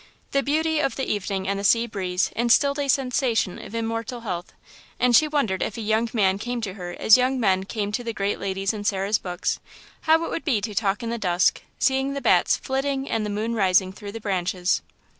The beauty of the evening and the sea breeze instilled a sensation of immortal health, and she wondered if a young man came to her as young men came to the great ladies in Sarah's books, how it would be to talk in the dusk, seeing the bats flitting and the moon rising through the branches.